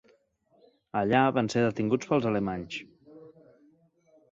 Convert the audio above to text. Allà van ser detinguts pels alemanys.